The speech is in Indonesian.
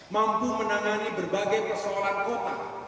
mampu menangani berbagai persoalan kota